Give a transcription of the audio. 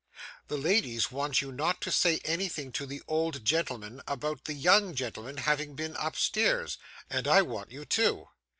'The ladies want you not to say anything to the old gentleman about the young gentleman having been upstairs; and I want you too.